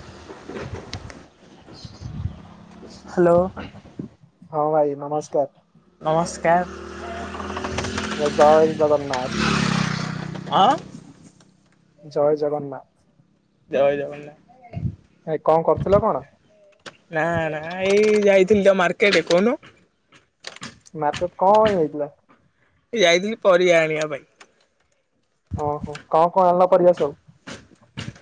[inaudible] ହୁ hello. ହଁ ଭାଇ ନମସ୍କାର। ନମସ୍କାର। ଜୟ ଜଗନ୍ନାଥ। ହଁ ଜୟ ଜଗନ୍ନାଥ। ଜୟ ଜଗନ୍ନାଥ। ଭାଇ କଣ କରୁଥିଲ କଣ୍? ନା ନା ଏଇ ଯାଇଥିଲି ତ ମାର୍କେଟ କହୁନୁ। ମାର୍କେଟ କଣ ଆଣି ଯାଇଥିଲ? ଏ ଯାଇଥିଲି ପରିବା ଆଣିବା ପାଇଁ। ଅ ହଁ। କଣ କଣ ଆଣିଲ ପରିବା ସବୁ?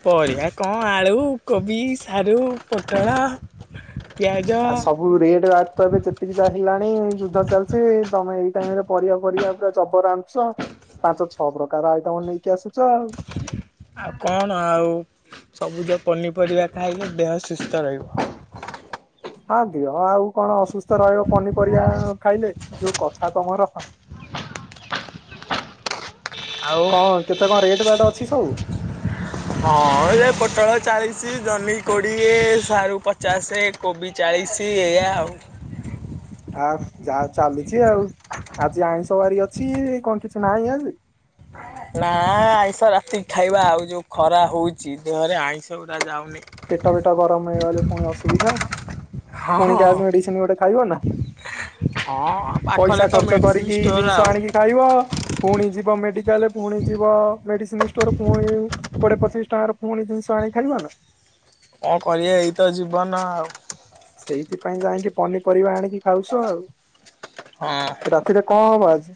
ପରିବା କଣ ଆଳୁ, କୋବି, ସାରୁ, ପୋଟଳ ପିଆଜ। ଆଉ ସବୁ ରେଟ୍ ରାଟ୍ ତ ଏବେ ଯେତିକି ଯାହା ହେଲାଣି, ଯୁଦ୍ଧ ଚାଲିଚି ତମେ ଏଇ ଟାଇମ ରେ ପରିବା ପରିବା ପୁରା ଜବର ଆଣି ଚ ପାଞ୍ଚ ଛଅ ପ୍ରକାର ଆଇଟମ୍ ନେଇକି ଆସୁଚ ଆଉ। ଆଉ କଣ୍ ଆଉ ସବୁଜ ପନିପରିବା ଖାଇଲେ ଦେହ ସୁସ୍ଥ ରହିବ। ହଁ ଦିହ ଆଉ କଣ୍ ଅସୁସ୍ଥ ରହିବ ପନିପରିବା ଖାଇଲେ ଯୋଉ କଥା ତମ ର। ଆଉ କଁ କେତେ କଣ୍ ରେଟ୍ ବାଟ୍ ଅଛି ସବୁ? ହଁ ଏ ପୋଟଳ ଚାଳିଶି, ଜହ୍ନି କୋଡିଏ, ସାରୁ ପଚାଶେ। କୋବି ଚାଳିଶି ଏଇଆ ଆଉ। ଆଉ ଯା ଚାଲିଛି ଆଉ, ଆଜି ଆଇଁଷବାରି ଅଛିକଣ କିଛି ନାହିଁ ଆଜି? ନା ଆଇଁଷ ରାତିକି ଖାଇବା ଆଉ ଯୋଉ ଖରା ହଉଚି ଦେହରେ ଆଇଁଷ ଗୁରା ଯାଉନି। ପେଟ ଫେଟ ଗରମ ହେଇଗଲେ ପୁଣି ଅସୁବିଧା। ହଁ ପୁଣି ହଁ ଗ୍ୟାସ୍ ମେଡିସିନ୍ ଗୋଟେ ଖାଇବ ନା। ହଁ ପାଖରେ ପଇସା ତ ଖର୍ଚ୍ଚ ମେଡିସିନ କରିକି, ଷ୍ଟୋର ଜିନିଷ ଆଉ ଆଣିକି ଖାଇବ। ପୁଣି ଯିବ ମେଡିକାଲ, ପୁଣି ଯିବ ମେଡିସିନ୍ ଷ୍ଟୋର୍, ପୁଣି କୋଡିଏ ପଚିଶି ଟଙ୍କାର ପୁଣି ଜିନିଷ ଆଣି ଖାଇବା ନା। କଁ କରିଆ ଏଇତ ଜୀବନ ଆଉ। ସେଇଥିପାଇଁ ଯାଇଁକି ପନିପରିବା ଆଣିକି ଖାଉଛ ଆଉ। ହଁ। ରାତିରେ କଁ ହବ ଆଜି?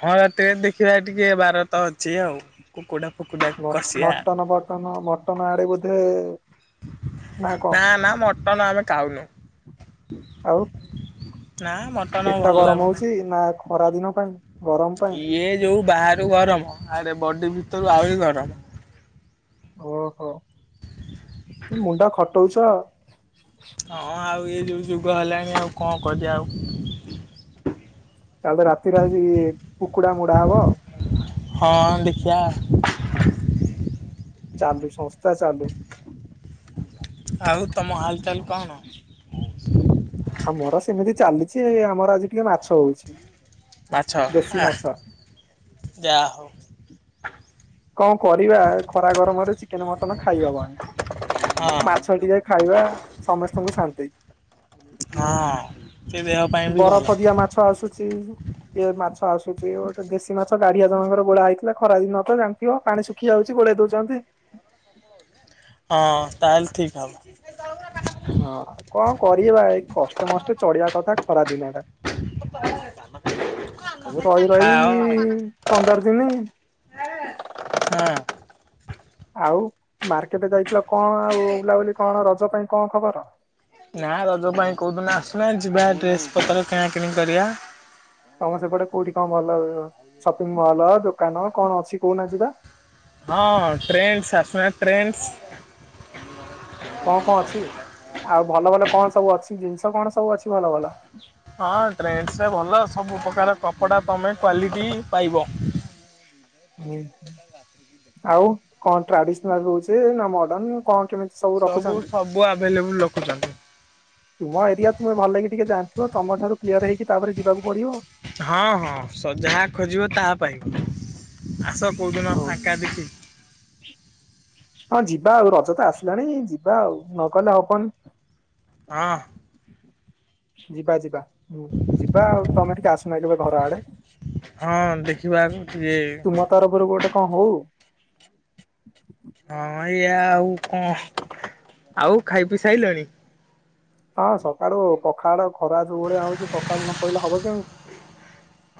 ହଁ ରାତିରେ ଦେଖିବା ଟିକେ ବାର ତ ଅଛି ଆଉ। କୁକୁଡ଼ା ଫୁକୁଡ଼ା। ମଟନ ଫଟନ ମଟନ ଆଡେ ବୋଧେ ନା, ନା ମଟନ ଆମେ ଖାଉନୁ। ଆଉ ନା ମଟନ ଆଉ ପେଟ ଭଲ ଗରମ ଲାଗୁନି। ହଉଛି ନା ଖରା ଦିନ ପାଇଁ। ଗରମ ପାଇଁ ଇଏ ଯୋଉ ବାହାରୁ ଗରମ ଆରେ ବଡି ଭିତରୁ ଆହୁରି ଗରମ। ଓହୋ, ତୁ ମୁଣ୍ଡ ଖଟଉଚ। ହଁ ଆଉ ଇଏ ଯୋଉ ଯୁଗ ହେଲାଣି, ଆଉ କଣ କରିଆ ଆଉ। ତା ହେଲେ ତ ରାତିରେ ଆଜି, କୁକୁଡା ମୋଡା ହବ। ହଁ, ଦେଖିଆ। ଚାଲୁ ସଂସ୍ଥା ଚାଲୁ। ଆଉ ତମ ହାଲ୍ ଚାଲ୍ କଣ? ଆମର ସେମିତି ଚାଲିଚି, ଆମର ଆଜି ଟିକେ ମାଛ ହଉଛି। ମାଛ, ଦେଶୀ ଆହା ମାଛ ଯା ହଉ। କଁ କରିବା ଖରା ଗରମରେ ଚିକେନ୍ ମଟନ୍ ଖାଇ ହବନି। ହଁ ମାଛ ଟିକେ ଖାଇବା ସମସ୍ତଙ୍କୁ ଶାନ୍ତି। ହଁ ସେ ଦେହ ପାଇଁ ବି ଭଲ। ବରଫ ଦିଆ ମାଛ ଆସୁ ଇଏ ମାଛ ଆସୁଛି ଗୋଟେ ଦେଶୀ ମାଛ ଗାଡିଆ ଜଣଙ୍କର ଗୋଳା ହେଇଥିଲା, ଖରା ଦିନ ତ ଜାଣ ଥିବ ପାଣି ଶୁଖି ଯାଉଚି ଗୋଳେଇ ଦଉଚନ୍ତି। ହଁ ତାହେଲେ ଠିକ୍ ହବ। ହଁ କଁ କରିବା ଏଇ କଷ୍ଟେ ମଷ୍ଟେ ଚଢିଆ କଥା ଖରା ଦିନ ଟା। ସବୁ ରହି ରହି ଖାଅ ହଁ ପନ୍ଦର ଦିନି। ଆଉ ମାର୍କେଟ୍ ଯାଇଥିଲ କଁ ଆଉ ବୁଲାବୁଲି କଣ ରଜ ପାଇଁ କଁ ଖବର? ନା ରଜ ପାଇଁ କୋଉଦିନ ଆସୁନା ଯିବା ଡ୍ରେସ୍ ପତ୍ର କିଣାକିଣି କରିଆ। ତମ ସେପଟେ କୋଉଠି କଁ ଭଲ ସପିଙ୍ଗ୍ ମହଲ ଦୋକାନ କଣ ଅଛି କଉନା ଯିବା। ହଁ, ଟ୍ରେନ୍ସ୍ ଆସୁନା ଟ୍ରେନ୍ସ୍। କଁ କଁ ଅଛି, ଆଉ ଭଲ ଭଲ କଣ ସବୁ ଅଛି, ଜିନିଷ କଣ ସବୁ ଅଛି ଭଲ ଭଲ? ହଁ ଟ୍ରେଣ୍ଡ୍ସ ରେ ଭଲ ସବୁ ପ୍ରକାର କପଡ଼ା ତମେ କ୍ଵାଲିଟି ହିଁ ପାଇବ। ହୁଁ, ଆଉ କଣ ଟ୍ରାଡିସ୍ ନାଲ୍ ହଉଚି ନା ମଡନ୍ କଣ କେମିତି? ସବୁ ସବୁ ଆଭେଲେବୁଲ୍ ରଖୁଛନ୍ତି। ତୁମ ଏରିଆ ତୁମେ ଭଲକି ଟିକେ ଜାଣିଥିବ ତମ ଠାରୁ କ୍ଲିୟର ହେଇକି ତାପରେ ଯିବାକୁ ପଡିବ। ହଁ ହଁ ସ ଯାହା ଖୋଜିବ ତାହା ପାଇବ, ଆସ କୋଉଦିନ ହଉ ଫାଙ୍କା ଦେଖିକି। ହଁ ଯିବା ଆଉ ରଜ ତ ଆସିଲାଣି ଯିବା ଆଉ ନଗଲେ ହବନି। ହଁ। ଯିବା, ଯିବା ହୁଁ, ଯିବା ଆଉ ତମେ ଟିକେ ଆସୁନା ଏଲାବେ ଘର ଆଡେ। ହଁ ଦେଖିବା ଆଗ ଇଏ ତୁମ ତରଫରୁ ଗୋଟେ କଣ ହଉ? ହଁ ଇଏ ଆଉ କଣ ଆଉ ଖାଇ ପି ସାଇଲେଣି? ହଁ ସକାଳୁ ପଖାଳ ଖରା ଯୋଉ ଭଳିଆ ହଉଛି ପଖାଳ ନ ପଇଲେ ହବ କେମିତି।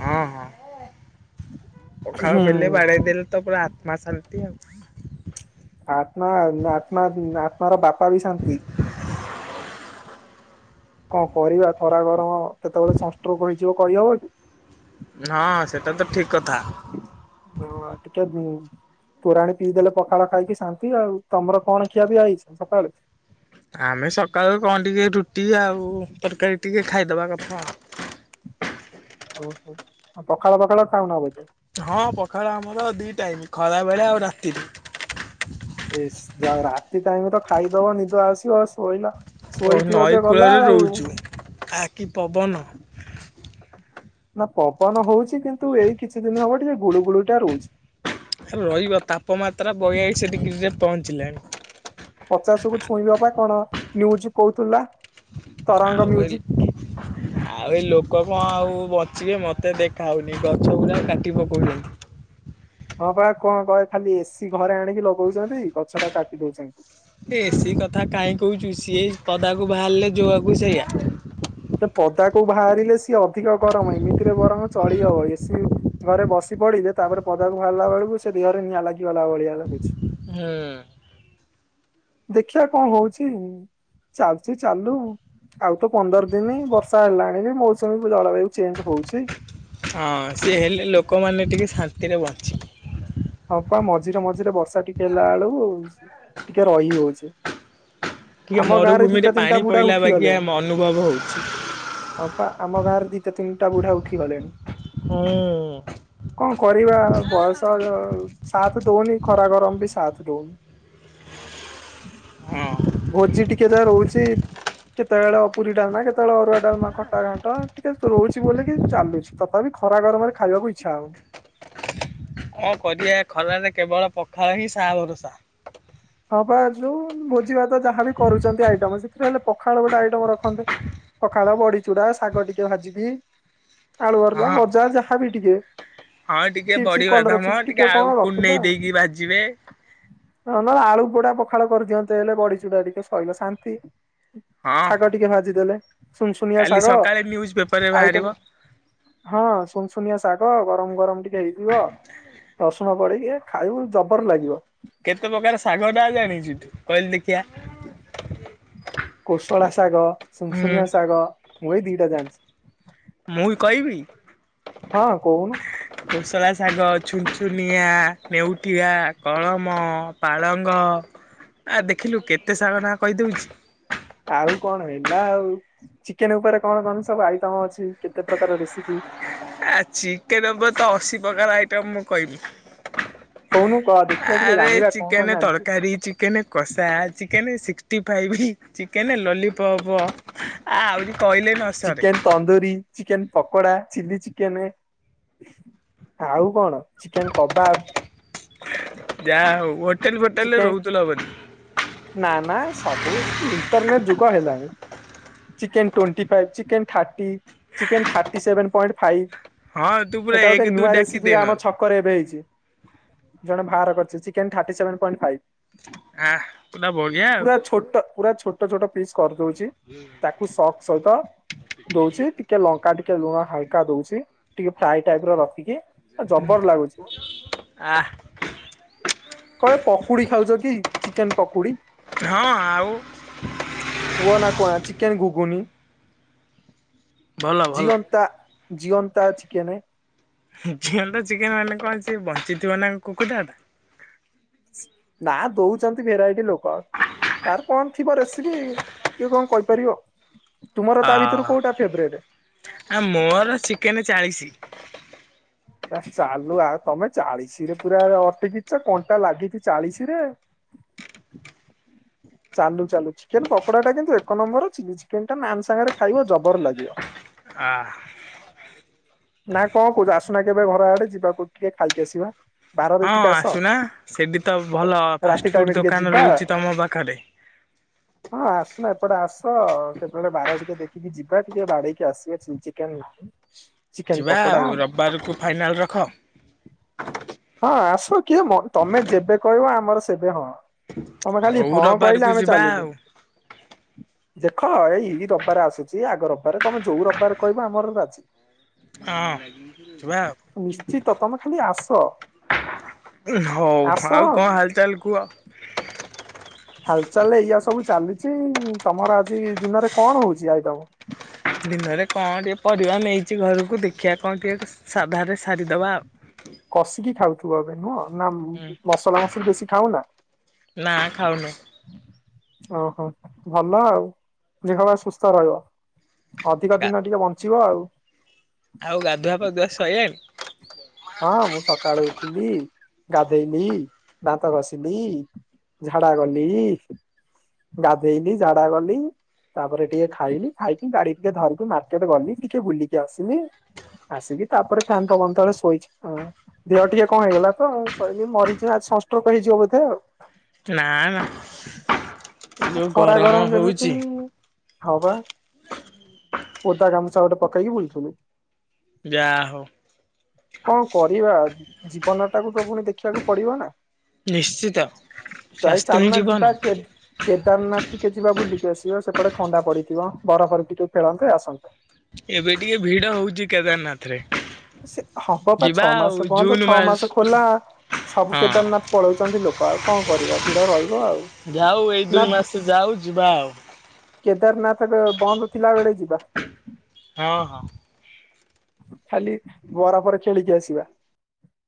ହଁ ହଁ ପଖାଳ ହୁଁ ବେଲେ ବାଡେଇ ଦେଲେ ତ ପୁରା ଆତ୍ମା ଶାନ୍ତି। ଆତ୍ମା ନା ଆତ୍ମା ନା ଆତ୍ମ ର ବାପା ବି ଶାନ୍ତି। କଣ କରିବା ଖରା ଗରମ କେତେବେଳେ ସଂଷ୍ଟୋକ ହେଇଯିବ କହିହବ କି? ହଁ ସେଟା ତ ଠିକ କଥା। ହଁ ଟି କେ ବୁ। ତୋରାଣୀ ପିଇ ଦେେଲେ ପଖାଳ ଖାଇକି ଶାନ୍ତି ଆଉ ତମର କଣ ଖିଆପିଆ ହେଇଚି ସକାଳୁ? ଆମେ ସକାଳୁ କଣ ଟିକେ ରୁଟି ଆଉ ତରକାରୀ ଟିକିଏ ଖାଇଦବା କଥା। ଓହୋ ପଖାଳ ପଖାଳ ଖାଉନ ବୋଧେ? ହଁ ପଖାଳ ଆମର ଦି ଟାଇମ୍ ଖରା ବେଳେ ଆଉ ରାତିରେ। ବେସେ୍ ରାତି ଟାଇମ୍ ର ତ ଖାଇଦବ ନିଦ ଆସିବ ସୋଇଲ। ଶୋଇଥିବ ଯେ ଗଲା ଆଉ। ଆକି ପବନ। ନା ପବନ ହଉଚି କିନ୍ତୁ ଏଇ କିଛି ଦିନ ହବ ଟିକେ ଗୁଳୁ ଗୁଳି ଟା ରହୁଚି। ରହିବ ତାପମାତ୍ରା ବୟାଳିଶି ଡିଗ୍ରୀରେ ପହଞ୍ଚିଲାଣି। ପଚାଶ କୁ ଛୁଇଁବ ବା କଣ ନିଉଜୁ କହୁଥିଲା ତରଙ୍ଗ ଆଉ ଏ ମିଉଜିକ୍। [inaudible] ଆଉ ଏଇ ଲୋକ କଣ ଆଉ ବଚିବେ ମତେ ଦେଖା ହଉନେହିଁ ଗଛ ଗୁରା କାଟି ପକଉଚନ୍ତି। ହଁ ପା କଣ କହେ ଖାଲି ଏସିି ଘରେ ଆଣିକି ଲଗଉଚନ୍ତି ଗଛ ଟା କାଟି ଦଉଚନ୍ତି। ଏ ଏସି କଥା କାାହିଁ କହୁଁ ଚୁଷିଏ ପଦାକୁ ବାହାରିଲେ ଜୋଆକୁ ସେଇଆ। ପଦାକୁ ବାହାରିଲେ ସିଏ ଅଧିକ ଗରମ ଏମିତିରେ ବ ରଂ ଚଳି ହବ ଏ ସି ଘରେ ବସି ପଡିଲେ ତାପରେ ପଦାକୁ ବାହାରିଲା ବେଳକୁ ସେ ଦେହରେ ନିଆଁ ଲାଗିଗଲା ଭଳିଆ ହୋଉଛି। ହୁଁ। [inaudible] ଦେଖିବା କଣ ହୋଉଚି ଚାଲୁଚି ଚାଲୁ ଆଉ ତ ପନ୍ଦର ଦିନେହିଁ ବର୍ଷା ହେଲାଣି ବି ମୌସୁମୀ ଜଳବାୟୁ ଚେଞ୍ଜେ ହଉଛି। ହଁ ସିଏ ହେଲେ ଲୋକମାନେ ଟିକେ ଶାନ୍ତିରେ ବଞ୍ଚିଵେ। ହଁ ପା ମଝିରେ ମଝିରେ ବର୍ଷା ଟିକେ ହେଲା ବେଳକୁ ଟିକେ ରହି ହଉଛି। ଟିକେ ଆମ ଗାଁରେ ମରୁଭୂମି ଦିଟା ରେ ତିନିଟା ପାଣି ବୁଢା ପଇଲା ବାଗିଆ ଉଠିଗଲେଣି। ଅନୁଭବ ହଉଛି। ହଁ ପା ଆମ ଗାଁରେ ଦିଟା ତିନିଟା ବୁଢା ଉଠି ଗଲେଣି। ହୁଁ। କଣ କରିବା ବୟସ ସଥ ଦଉନି ଖରା ଗରମ ବିି ସାଥ ଦଉନି। ହଁ। ଭୋଜି ଟିକେ ଯାହା ରହୁଚି। କେତେବେଳେ ପୁରୀ ଡାଲମା କେତେବେଳେ ଅରୁଆ ଡାଲମା ଖଟା ଘାଣ୍ଟ ଟିକେ ରହୁଛି ବୋଲି ଚାଲୁଛି। ତଥାପି ଖରା ଗରମରେ ଖାଇବାକୁ ଇଚ୍ଛା ହବ। ହଁ କରିବା ଖରାରେ କେବଳ ପଖାଳ ହିଁ ସା ଭରସା। ହଁ ବା ଯୋଉ ଭୋଜି ଭାତ ଯାହାବି କରୁଛନ୍ତି ଆଇଟମ ସେଥିରେ ହେଲେ ପଖାଳ ଗୋଟେ ଆଇଟମ ରଖନ୍ତେ। ପଖାଳ ବଡିଚୁରା ଶାଗ ଟିକେ ଭାଜିବି। ଆଳୁଆର ଯା ହଁ ଭଜା ଯାହାବି ଟିକେ ହଁ ଟିକେ ଚିପ୍ସ ବଡି କଲରା ବାଦାମ ଚିପ୍ସ ଟିକେ କଣ ଆଉ ରଖିବା। କୁଲେଇ ଦେଇକି ଭାଜିବେ। ନଲେ ଆଳୁ ପୋଡା ପଖାଳ କରିଦିଅନ୍ତେ ହେଲେ ବଡିଚୁଡା ଟିକେ ଶଇଲା ଶାନ୍ତି। ହଁ ଶାଗ ହଁ ଟିକେ ଭାଜିଦେଲେ ସୁନସୁନିଆ କାଲି ଶାଗ ସକାଳେ ନ୍ୟୁଜ ପେପରରେ ଆଇଟ ବାହାରିବ। ହଁ ସୁନସୁନିଆ ଶାଗ ଗରମ ଗରମ ଟିକେ ହେଇଥିବ ରସୁଣ ପଡିକି ଖାଇବୁ ଜବର ଲାଗିବ। କେତେ ପ୍ରକାର ଶାଗ ନାଁ ଜାଣିଛି ତୁ କହିଲୁ ଦେ କୋଶଳା ଶାଗ ହୁଁ। ସୁନସୁନିଆ ଶାଗ ମୁଁ ଏଇ ଦିଟା ଜାଣିଛି। ମୁଁ ବି କହିବି? ହଁ କହୁନୁ? କୋଶଳା ଶାଗ ଛୁନଛୁନିଆ ନେଉଠୀଆ କଳମ ପାଳଙ୍ଗ ଆ ଦେଖିଲୁ କେତେ ଶାଗ ନାଁ କହିଦେଉଛି। ଆଉ କଣ ହେଲା ଆଉ ଚିକେନ ଉପରେ କଣ କଣ ସବୁ ଆଇଟମ ଅଛି କେତେ ପ୍ରକାର ରେସିପି? ଆ ଚିକେନ ଉପରେ ତ ଅଶୀ ପ୍ରକାର ଆଇଟମ ମୁଁ କହିବି? କହୁନୁ କହ ଦେଖିବା ଟିକେ ଆରେ ଜାଣିବା କଣ କଣ ଚିକେନ ଜାଣିଛୁ ତରକାରୀ ଚିକେନ କଷା chicken sixty five chicken lollipop ଆ ଆହୁରି କହିଲେ ସ chicken tandoori chicken pakoda chilli chicken ଆଉ କଣ ଚିକେନ କବାବ। ଯା ହଉ ହୋଟେଲ ଫୋଟେଲରେ ଚିକେନ ରହୁଥିଲ ବୋଧେ? ନା ନା ସବୁ ଇଣ୍ଟରନେଟ ଯୁଗ ହେଲାଣି। Chicken twenty five chicken thirty chicken thirty seven point five. ହଁ ତୁ ପୁରା ଏଇଟା ଏକ ଗୋଟେ ଦୁଇ ନୂଆ ଡାକି ଦେ ରେସିପି ଆମ ନହେଲେ। ଛ କ ରେ ଏବେ ହେଇଛି ଜଣେ ବାହାର କରିଛି chicken thirty seven point five. ଆଁ। ପୁରା ଛୋଟ ପୁରା ଛୋଟ ଛୋଟ ପିସ୍ କରିଦଉଛି। ତାକୁ ସକ୍ ସହିତ ଦଉଛି ଟିକେ ଲଙ୍କା ଟିକେ ଲୁଣ ହାଲକା ଦଉଛି। ଟିକେ ଫ୍ରାଏ ଟାଇପ ର ରଖିକି ଆ ଜବର ଲାଗୁଛିମ। ଆ କଣ ପକୁଡି ଖାଉଛ କି ଚିକେନ ପକୁଡି? ହଁ ଆଉ। ହୁ ନା କଣ ଚିକେନ ଘୁଗୁନି ଭଲ ଭଲ। ଜୀଅନ୍ତା ଜିଅନ୍ତା ଚିକେନେ। ଝିଅଟା ଚିକେନ ମାନେ କଣ ସେ ବଞ୍ଚିଥିବ ନା କୁକୁଡାଟା? ନା ଦଉଛନ୍ତି ଭେରାଇଟି ଲୋକ। ତାର କଣ ଥିବ ରେସିପି କିଏ କଣ କହିପାରିବ ତୁମର ଅ। ତା ଭିତରୁ କୋଉଟା ଫେବରଟ? ଆ ମୋର ଚିକେନ ଚାଳିଶ। ଚାଲୁ ଆଉ ତମେ ଚାଳିଶି ରେ ପୁରା ଅଟିକିଛ କଣ୍ଟା ଲାଗିଛିି ଚାଳିଶି ରେ। ଚାଲୁ ଚାଲୁ ଚିକେନ ପକୋଡାଟା କିନ୍ତୁ ଏକ ନମ୍ବର ଚିଲି ଚିକେନଟା ନାନ୍ ସାଙ୍ଗରେ ଖାଇବ ଜବର ଲାଗିବ। ହାଁ। ନା କଣ କହୁଛ ଆସୁନା କେବେ ଘର ଆଡେ ଯିବା କୁ ଟିକେ ଖାଇକି ଆସିବା। ବାର ହଁ ଦେଖିକି ଆସ। ଆସୁନା ସେଠି ତ ଭଲ ରାତି ଟାଇମ ଫାଷ୍ଟଫୁଡ଼ ଟିକେ ଦୋକାନ ଯିବା। ରହୁଛି ତମ ପାଖରେ। ହଁ ଆସୁନ ଏପଟେ ଆସ କେତେବେଳେ ବାର ଟିକେ ଦେଖିକି ଯିବା ଟିକେ ବାଡେଇକି ଆସିବା ଚିଲି ଚିକେନ୍। [unintelligible] ଯିବା ଆଉ ରବିବାରକୁ ଫାଇନାଲ୍ ରଖ। ହଁ ଆସ କିଏ ମ ତମେ ଯେବେ କହିବ ଆମର ସେବେ ହଁ। ତମେ ଖାଲି ହଉ ହଁ ରବିବାରକୁ କହିଲେ ଆମେ ଯିବା ଚାଲିଲୁ। ଆଉ ଦେଖ ଏଇ ଏଇ ରବବାରେ ଆସୁଛି ଆଗ ରବିବାର ତମେ ଯୋଉ ରବିବାରେ କହିବ ଆମର ରାଜି ହଁ। ଯିବା ଆଉ ନିଶ୍ଚିତ ତମେ ଖାଲି ଆସ। ହଉ ଆସ। ଆଉ କଣ ହାଲଚାଲ କୁହ? ହାଲଚାଲ ଏଇୟଆ ସବୁ ଚାଲିଛି ତମର ଆଜି ଦିନରେ କଣ ହଉଛି ଆଇଟମ୍? ଦିନରେ କଣ ଟିକେ ପରିବା ନେଇଛି ଘରକୁ ଦେଖିବା କଣ ଟିକେ ସାଧାରେ ସାରିଦେବା ଆଉ। କଷିକି ଖାଉଥୁବ ଏବେ ନୁହଁ। ନା ହୁଁ ଉମ ମସଲା ମସଲୀ ବେଶୀ ଖାଉନା? ନା ଖାଉନୁ ଓହୋ ଭଲ ଆଉ ଦେହ ପା ସୁସ୍ଥ ରହିବ। ଅଧିକ ଦିନ ଟିକେ ବଞ୍ଚିବ ଆଉ। ଆଉ ଗାଧୁଆ ପାଧୁଆ ସଇଲାଣି? ହଁ ମୁଁ ସକାଳେ ଉଠିଲି ଗାଧେଇଲି ଦାନ୍ତ ଘସିଲି। ଝାଡା ଗଲି, ଗାଧେଇଲି ଝାଡା ଗଲି। ତାପରେ ଟିକେ ଖାଇଲିି ଖାଇକି ଗାଡି ଟିକେ ଧରିକି ମାର୍କେଟ ଗଲି ଟିକେ ବୁଲିକି ଆସିଲି। ଆସିକି ତାପରେ ଫ୍ୟାନ ପବନ ତଳେ ଶୋଇଛି। ଓ, ଦେହ ଟିକେ କଣ ହେଇଗଲା ତ ମୁଁ କହିଲି ମରିଯିବା ସନଷ୍ଟୋକ ହେଇଯିବ ବୋଧେ ଆଉ। ନା, ନା ଏ ଯୋଉ ଖରା ଗରମ ଯେମିତି ହଉଛି ହଁ ବା, ଓଦା ଗାମୁଛା ଗୋଟେ ପକେଇକି ବୁଲୁଥିଲୁ। ଯା ହଉ। କଣ କରିବା ଜୀବନ ଟାକୁ ତ ପୁଣି ଦେଖିବାକୁ ପଡିବ ନା। ନିଶ୍ଚିତ, ଯାଇ ସ୍ୱାସ୍ଥ୍ୟ ହିଁ ଚାଲୁନା ଯିବା ଜୀବନ। କେ କେଦାରନାଥ ଟିକେ ଯିବା ବୁଲିକି ଆସିବା ସେପଟେ ଥଣ୍ଡା ପଡିଥିବ ବରଫରେ ଟିକେ ଖେଳନ୍ତେ ଆସନ୍ତେ। ଏବେ ଟିକେ ଭିଡ ହଉଚି କେଦାରନାଥ ରେ। ସେ ହବ ବା ଯିବା ଛଅ ଆଉ ମାସ ବନ୍ଦ ଜୁନ ଛଅ ମାସ ଖୋଲା। ସବୁ ହଁ। କେଦାରନାଥ ପଳଉଛନ୍ତି ଲୋକ ଆଉ କଣ କରିବା ଭିଡ ରହିବ ଆଉ। ନା ସେ ଯାଉ ଯିବା ଆଉ। କେଦାରନାଥର ବନ୍ଦ ଥିଲା ବେଳେ ଯିବା। ହଁ ହଁ। ଖାଲି ବରଫ ରେ ଖେଳିକି ଆସିବା।